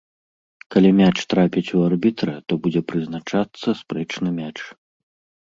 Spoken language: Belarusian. Калі мяч трапіць у арбітра, то будзе прызначацца спрэчны мяч.